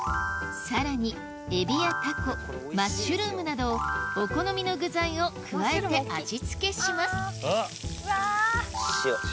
さらにエビやタコマッシュルームなどお好みの具材を加えて味付けします塩。